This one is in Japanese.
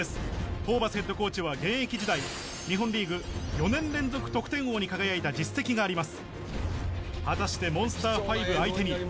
ホーバスヘッドコーチは現役時代、日本リーグ、４年連続得点王に輝いた実績があります。